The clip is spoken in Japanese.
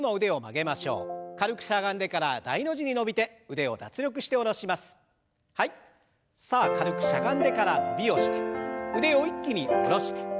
さあ軽くしゃがんでから伸びをして腕を一気に下ろして。